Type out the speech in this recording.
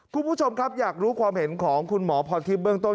คุณผู้ชมครับอยากรู้ความเห็นของคุณหมอพรทิพย์เบื้องต้น